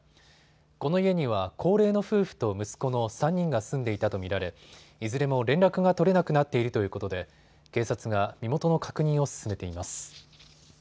この家には高齢の夫婦と息子の３人が住んでいたと見られいずれも連絡が取れなくなっているということで警察が身元の確認を進めています。